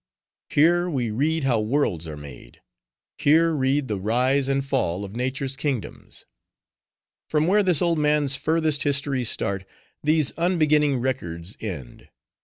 Here we read how worlds are made; here read the rise and fall of Nature's kingdoms. From where this old man's furthest histories start, these unbeginning records end.